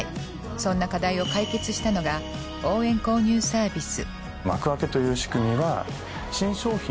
そんな課題を解決したのが応援購入サービス。